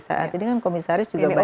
saat ini kan komisaris juga banyak